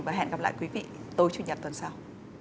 và hẹn gặp lại quý vị tối chủ nhật tuần sau